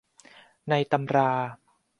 ในตำรา